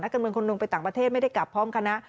การเมืองคนหนึ่งไปต่างประเทศไม่ได้กลับพร้อมคณะ